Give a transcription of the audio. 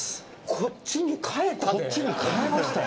こっちにかえましたよ。